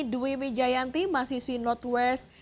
dwi mijayanti mahasiswi northwest